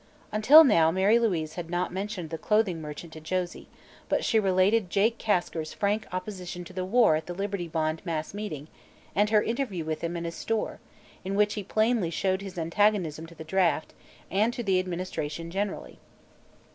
Until now Mary Louise had not mentioned the clothing merchant to Josie, but she related Jake Kasker's frank opposition to the war at the Liberty Bond mass meeting and her interview with him in his store, in which he plainly showed his antagonism to the draft and to the administration generally.